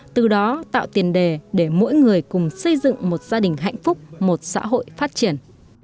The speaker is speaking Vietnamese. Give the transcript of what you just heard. từ đó tạo tiền đề để mỗi người cùng xây dựng một gia đình hạnh phúc một xã hội phát triển